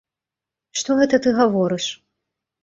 Што гэта ты гаворыш?